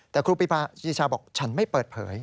แต่ครูปริปราชิชาบอกฉันไม่เปิดเผย